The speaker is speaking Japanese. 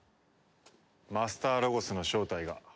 マスターロゴスの正体が。